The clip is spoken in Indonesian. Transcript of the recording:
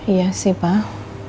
iya sih pak